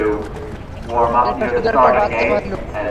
এটা শুধু একটা বাচ্চা ভালুক।